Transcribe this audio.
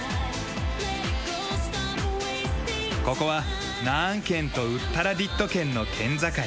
ここはナーン県とウッタラディット県の県境。